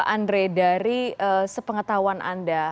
andre dari sepengetahuan anda